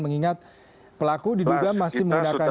mengingat pelaku diduga masih menggunakan